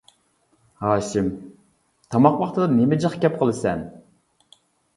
ھاشىم:-تاماق ۋاقتىدا نېمە جىق گەپ قىلىسەن.